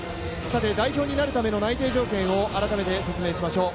代表になるための内定条件を改めて説明いたしましょう。